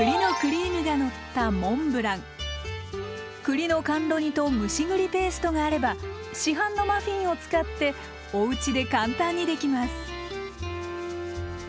栗の甘露煮と蒸し栗ペーストがあれば市販のマフィンを使っておうちで簡単にできます。